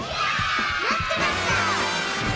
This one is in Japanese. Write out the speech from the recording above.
まってました！